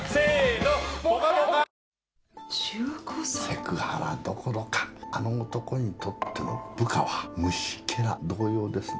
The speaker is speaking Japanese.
セクハラどころかあの男にとっての部下は虫けら同様ですな。